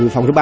phòng số ba